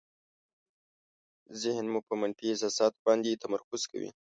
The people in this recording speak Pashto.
ذهن مو په منفي احساساتو باندې تمرکز کوي.